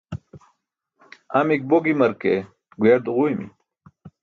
Amik bo gima ke, guyar duġuymi.